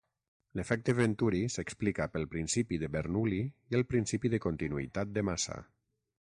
L'efecte Venturi s'explica pel Principi de Bernoulli i el principi de continuïtat de massa.